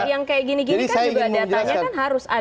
yang kayak gini gini kan juga datanya kan harus ada